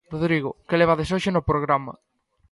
Rodrigo, que levades hoxe no programa?